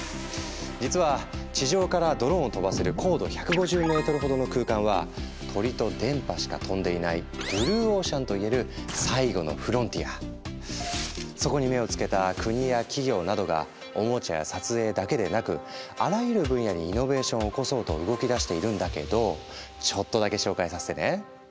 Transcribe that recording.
実は地上からドローンを飛ばせる高度１５０ｍほどの空間は鳥と電波しか飛んでいないブルーオーシャンといえるそこに目を付けた国や企業などがおもちゃや撮影だけでなくあらゆる分野にイノベーションを起こそうと動きだしているんだけどちょっとだけ紹介させてね。